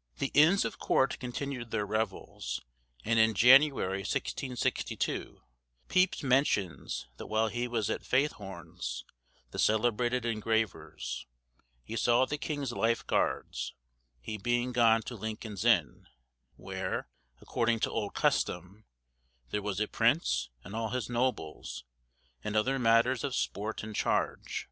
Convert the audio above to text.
] The Inns of Court continued their revels; and in January, 1662, Pepys mentions that while he was at Faithorne's, the celebrated engraver's, he saw the king's life guards, he being gone to Lincoln's Inn, where, according to old custom, there was a prince and all his nobles, and other matters of sport and charge.